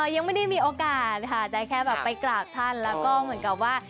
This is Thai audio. ยังไม่ได้มีโอกาสค่ะได้แค่แบบไปกราบท่านแล้วก็เหมือนกับว่า